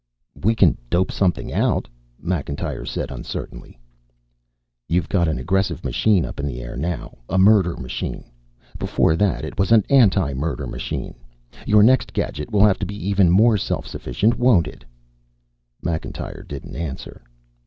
"We can dope something out," Macintyre said uncertainly. "You've got an aggressive machine up in the air now. A murder machine. Before that it was an anti murder machine. Your next gadget will have to be even more self sufficient, won't it?" Macintyre didn't answer.